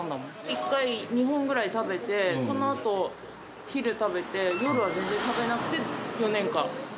１回２本ぐらい食べて、そのあと、昼食べて、夜は全然食べなくて４年間。